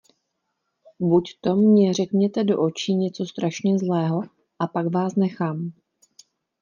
Buďto mně řekněte do očí něco strašně zlého, a pak vás nechám.